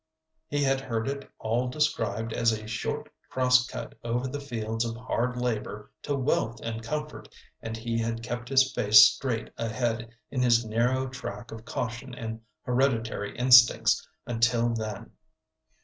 He had heard it all described as a short cross cut over the fields of hard labor to wealth and comfort, and he had kept his face straight ahead in his narrow track of caution and hereditary instincts until then.